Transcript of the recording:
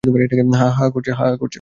হ্যাঁ, হ্যাঁ, করছে।